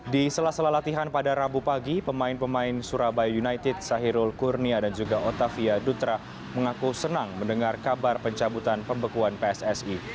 di sela sela latihan pada rabu pagi pemain pemain surabaya united sahirul kurnia dan juga otavia dutra mengaku senang mendengar kabar pencabutan pembekuan pssi